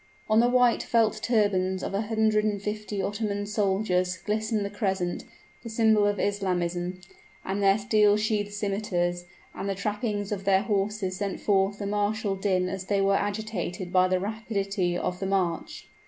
On the white felt turbans of a hundred and fifty Ottoman soldiers glistened the crescent, the symbol of Islamism; and their steel sheathed scimiters and the trappings of their horses sent forth a martial din as they were agitated by the rapidity of the march.